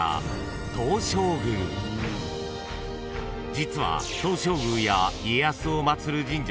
［実は］